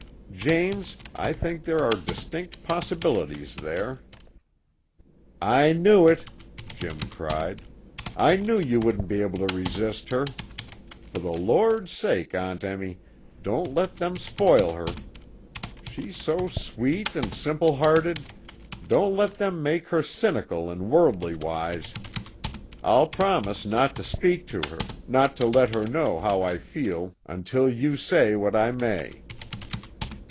James I think there are distinct possibilities there." "I knew it!" Jim cried. "I knew you wouldn't be able to resist her! For the Lord's sake, Aunt Emmy, don't let them spoil her! She's so sweet and simple hearted, don't let them make her cynical and worldly wise! I'll promise not to speak to her, not to let her know how I feel until you say that I may."